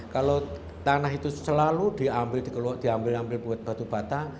kalau tanah itu selalu diambil ambil buat batu bata